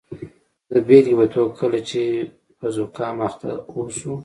د بیلګې په توګه کله چې په زکام اخته اوسو.